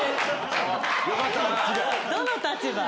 ・どの立場？